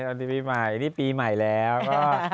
ตอนปีใหม่นี่ปีใหม่แล้วก็